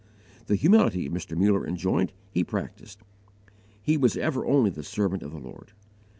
The humility Mr. Muller enjoined he practised. He was ever only the servant of the Lord.